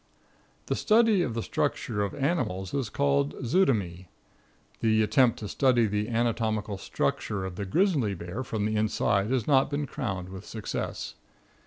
The study of the structure of animals is called zootomy. The attempt to study the anatomical structure of the grizzly bear from the inside has not been crowned with success.